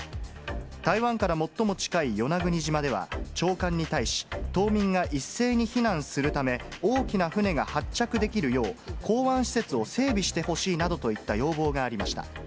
台湾から最も近い与那国島では、長官に対し、島民が一斉に避難するため、大きな船が発着できるよう、港湾施設を整備してほしいなどといった要望がありました。